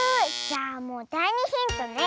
じゃあもうだい２ヒントね。